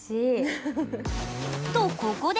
とここで！